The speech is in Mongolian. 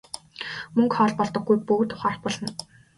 Мөнгө хоол болдоггүйг бүгд ухаарах болно.